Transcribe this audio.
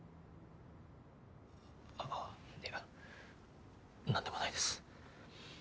あっいや何でもないです。